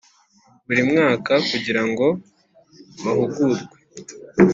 Buri mwaka kugira ngo bahugurwe